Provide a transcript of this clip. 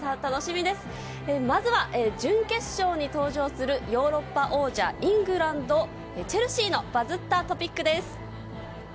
まずは準決勝に登場するヨーロッパ王者、イングランドのチェルシーのＢＵＺＺったＴＯＰＩＣ